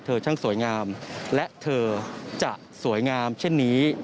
ช่างสวยงามและเธอจะสวยงามเช่นนี้